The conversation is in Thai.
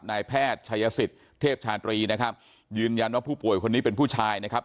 นายแพทย์ชายสิทธิ์เทพชาตรีนะครับยืนยันว่าผู้ป่วยคนนี้เป็นผู้ชายนะครับ